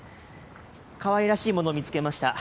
かわいらしいもの見つけました。